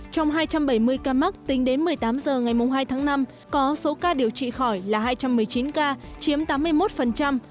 trong hai trăm bảy mươi ca mắc tính đến một mươi tám h ngày hai tháng năm có số ca điều trị khỏi là hai trăm một mươi chín ca chiếm tám mươi một